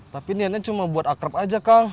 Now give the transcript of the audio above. tapi niatnya cuma buat akrab aja kang